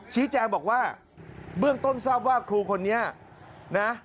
ชี้แจงบอกว่าเบื้องต้นทราบว่าครูคนนี้นะ